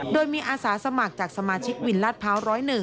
โดยมีอาสาสมัครจากสมาชิกวินลาดพร้าว๑๐๑